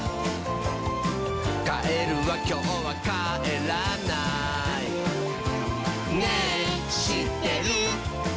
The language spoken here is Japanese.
「カエルはきょうはかえらない」「ねぇしってる？」